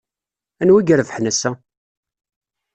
Anwa ay irebḥen ass-a?